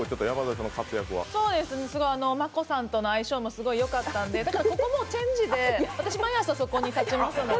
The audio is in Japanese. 真子さんとの相性もよかったんでここもチェンジで、私、毎朝そこに立ちますので。